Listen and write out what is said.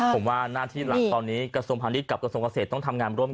ผมว่าหน้าที่หลักตอนนี้กระทรวงพาณิชย์กับกระทรวงเกษตรต้องทำงานร่วมกัน